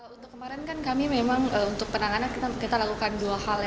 untuk kemarin kan kami memang untuk penanganan kita lakukan dua hal ya